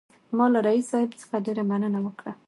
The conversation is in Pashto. ما له رییس صاحب څخه ډېره مننه وکړه.